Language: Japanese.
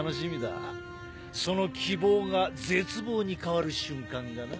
その希望が絶望に変わる瞬間がな。